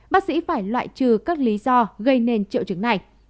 bác sĩ phải loại trừ các lý do gây nên triệu chứng này